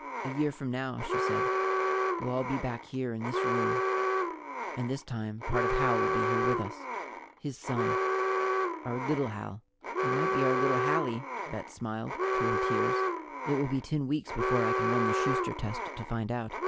"A year from now," she said, "we'll all be back here in this room and, this time, part of Hal will be here with us his son, our little Hal." "It might be our little Hallie." Bet smiled through her tears. "It will be ten weeks before I can run the Schuster test to find out."